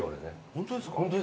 本当ですか？